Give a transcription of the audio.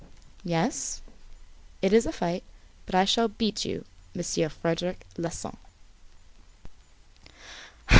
"Yes, it is a fight. But I shall beat you, Monsieur Frederic Larsan."